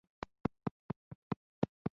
دغې ناروا تګلارې په خلکو کې اقتصادي انګېزه ووژله.